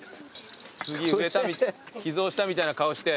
杉寄贈したみたいな顔して。